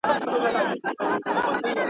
کرونا.